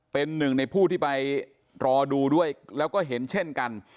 เป็นหนึ่งในผู้ที่ไปรอดูด้วยแล้วก็เห็นเช่นกัน